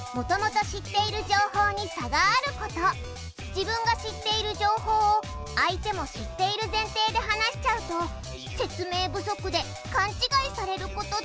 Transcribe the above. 自分が知っている情報を相手も知っている前提で話しちゃうと説明不足で勘違いされることってあるよね。